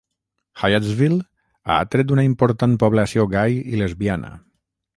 Hyattsville ha atret una important població gai i lesbiana.